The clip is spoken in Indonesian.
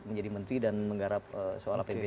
menjadi menteri dan menggarap soal apbn